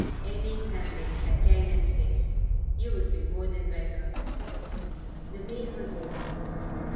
"Any Sunday, at ten and six. You would be more than welcome." The meal was over.